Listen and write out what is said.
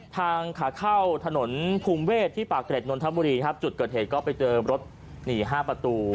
ทางขาเข้าถนนภูมิเวศที่ปากเกร็ดนนทบุรีครับจุดเกิดเหตุก็ไปเจอรถหนีห้าประตู